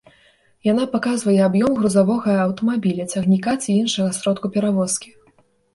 Яна паказвае аб'ём грузавога аўтамабіля, цягніка ці іншага сродку перавозкі.